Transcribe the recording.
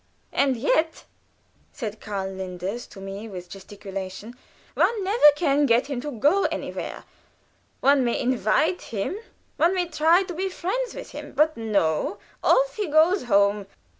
"And yet," said Karl Linders to me, with gesticulation, "one never can get him to go anywhere. One may invite him, one may try to be friends with him, but, no! off he goes home!